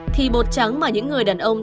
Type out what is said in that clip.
thì bột trắng mà những người đàn ông